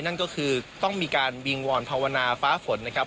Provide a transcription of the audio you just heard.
นั่นก็คือต้องมีการวิงวอนภาวนาฟ้าฝนนะครับ